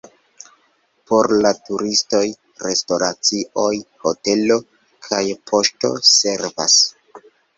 Por la turistoj restoracioj, hotelo kaj poŝto servas.